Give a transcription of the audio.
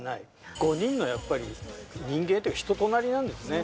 ５人のやっぱり、人間というか、人となりなんですね。